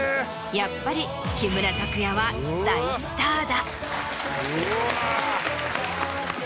やっぱり木村拓哉は大スターだ。